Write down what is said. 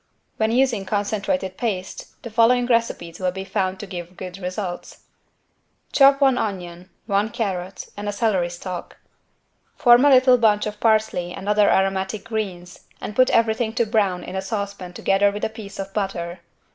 When using concentrated paste the following recipes will be found to give good results: Chop one onion, one carrot and a celery stalk: form a little bunch of parsley and other aromatic greens and put everything to brown in a saucepan together with a piece of butter.